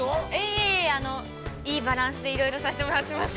◆いやいや、いいバランスでいろいろさせてもらってます。